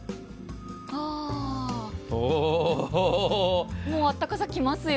あ、もうあったかさ来てますよ。